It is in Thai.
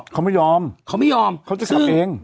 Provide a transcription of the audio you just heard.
เขาไม่ยอมเขาจะขับเองเขาไม่ยอมซึ่ง